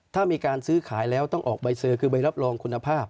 ถ้ามีการซื้อขายแล้วต้องออกใบเซอร์คือใบรับรองคุณภาพ